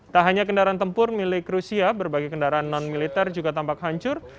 tak hanya kendaraan tempur milik rusia berbagai kendaraan non militer juga tampak hancur